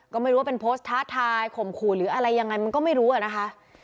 ก็ไม่รู้ว่าเป็นโพสต์ท้าทายข่มขู่หรืออะไรยังไงมันก็ไม่รู้อะนะคะ